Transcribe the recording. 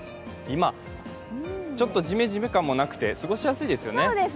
今、ちょっとジメジメ感もなくて過ごしやすいですよね。